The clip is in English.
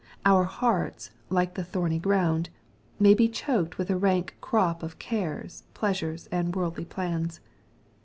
Our hearts, like the " thorny ground," may be choked with a rank crop of cares, pleasures, and worldly plans.